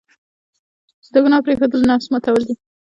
د ګناه پرېښودل، د نفس ماتول دي.